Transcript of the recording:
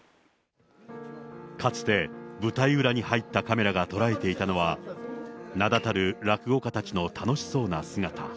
かつて、舞台裏に入ったカメラが捉えていたのは、名だたる落語家たちの楽しそうな姿。